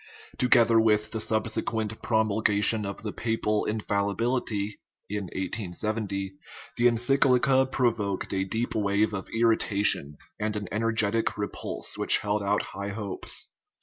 Together with the subsequent promulgation of the papal infallibility (1870), the en cyclica provoked a deep wave of irritation and an en ergetic repulse which held out high hopes.